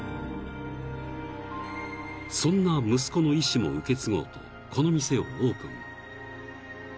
［そんな息子の遺志も受け継ごうとこの店をオープン］